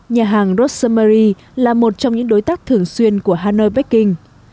nhà hàng rosemary là một trong những đối tác thường xuyên của hanoi baking